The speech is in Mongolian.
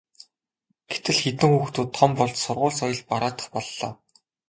гэтэл хэдэн хүүхдүүд том болж сургууль соёл бараадах боллоо.